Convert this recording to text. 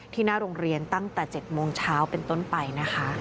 หน้าโรงเรียนตั้งแต่๗โมงเช้าเป็นต้นไปนะคะ